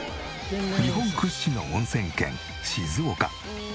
日本屈指の温泉県静岡。